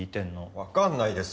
わかんないです。